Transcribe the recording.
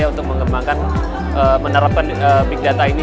untuk mengembangkan menerapkan big data ini